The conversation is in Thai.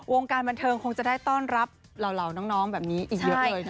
วงการบันเทิงคงจะได้ต้อนรับเหล่าน้องแบบนี้อีกเยอะเลยนะคะ